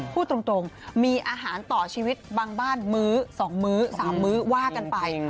พูดตรงมีอาหารต่อชีวิตบางบ้านมื้อ๒มื้อ๓มื้อว่ากันไป